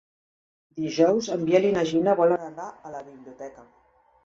Dijous en Biel i na Gina volen anar a la biblioteca.